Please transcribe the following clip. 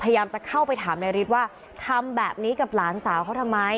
พยายามจะเข้าไปถามนายฤทธิ์ว่าทำแบบนี้กับหลานสาวเขาทำไม